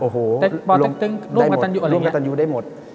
โรงการตันอยู่อะไรอย่างนี้